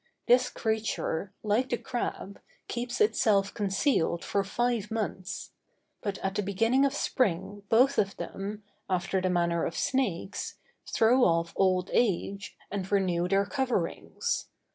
This creature, like the crab, keeps itself concealed for five months. But at the beginning of spring both of them, after the manner of snakes, throw off old age, and renew their coverings.